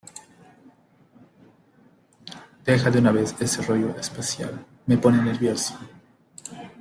¡ Deja de una vez ese rollo espacial! Me pone nervioso.